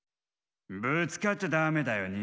ぶつかっちゃダメだよね。